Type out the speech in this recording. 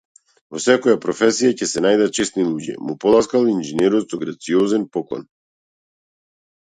Во секоја професија ќе се најдат чесни луѓе му поласкал инженерот со грациозен поклон.